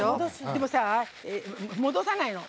でもさ、戻さないの。